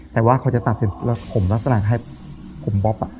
แต่ว่าเขาจะตัดเป็นผมลักษณะให้ผมบ๊อบ